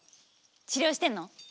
治療してんの？